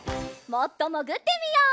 もっともぐってみよう。